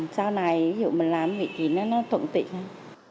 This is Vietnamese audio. sau này mình làm thì nó thuận tiện